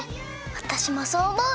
わたしもそうおもう！